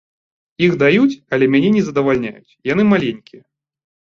Іх даюць, але мяне не задавальняюць, яны маленькія.